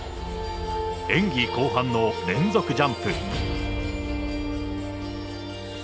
演技後半の連続ジャンプ。